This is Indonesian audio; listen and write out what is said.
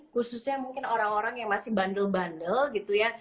khususnya mungkin orang orang yang masih bandel bandel gitu ya